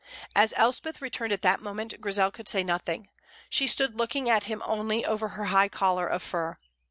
As Elspeth returned at that moment, Grizel could say nothing. She stood looking at him only over her high collar of fur.